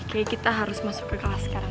kayaknya kita harus masuk ke kelas sekarang